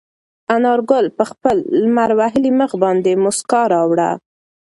انارګل په خپل لمر وهلي مخ باندې موسکا راوړه.